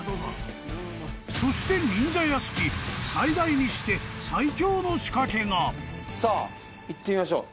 ［そして忍者屋敷最大にして最強の仕掛けが］いってみましょう。